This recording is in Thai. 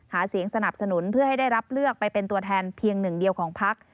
หาเสียงสนับสนุนเพื่อให้ได้รับเลือกไปเป็นตัวแทนเพียงหนึ่งเดียวของพัก